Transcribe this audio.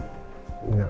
saya kan ini enggak